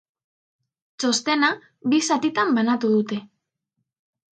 Txostena bi zatitan banatu dute.